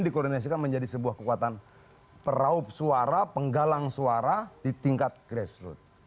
dikoordinasikan menjadi sebuah kekuatan peraup suara penggalang suara di tingkat grassroot